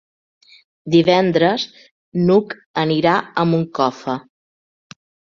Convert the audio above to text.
Divendres n'Hug anirà a Moncofa.